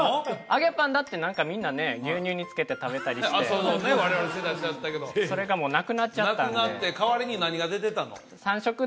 揚げパンだって何かみんなね牛乳につけて食べたりしてそうそう我々世代そうやったけどそれがなくなっちゃったんでなくなって代わりに何が出てたの？